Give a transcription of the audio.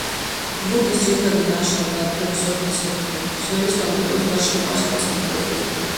ვუდის ძირითადი ნაშრომები ნატრიუმის ორთქლის ოპტიკური თვისებების გამოკვლევის გარშემო არის კონცენტრირებული.